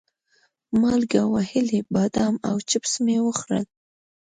مالګه وهلي بادام او چپس مې وخوړل.